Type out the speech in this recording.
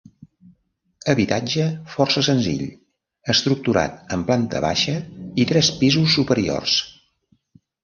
Habitatge força senzill estructurat en planta baixa i tres pisos superiors.